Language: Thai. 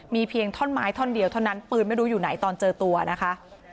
มีเพียงท่อนไม้ท่อนเดียวเท่านั้นปืนไม่รู้อยู่ไหนตอนเจอตัวนะคะ